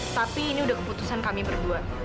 tapi ini udah keputusan kami berdua